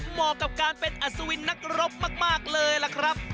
เหมาะกับการเป็นอัศวินนักรบมากเลยล่ะครับ